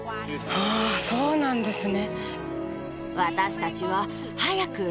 ああそうなんですね